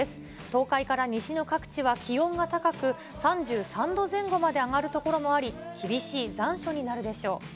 東海から西の各地は気温が高く、３３度前後まで上がる所もあり、厳しい残暑になるでしょう。